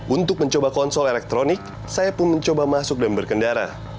untuk mencoba konsol elektronik saya pun mencoba masuk dan berkendara